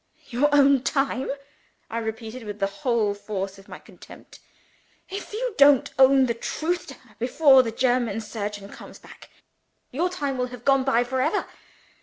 "Your own time?" I repeated with the whole force of my contempt. "If you don't own the truth to her before the German surgeon comes back, your time will have gone by for ever.